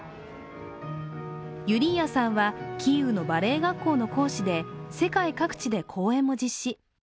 ユリーアさんはキーウのバレエ学校の講師で世界各地で公演も実施。